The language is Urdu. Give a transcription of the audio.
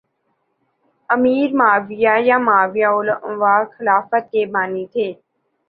امیر معاویہ یا معاویہ اول اموی خلافت کے بانی تھے